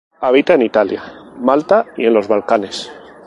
Habita en Italia, Malta y en los Balcanes.